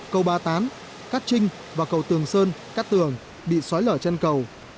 cầu ba tán cát trinh và cầu tường sơn cát tường bị xói lở trên cầu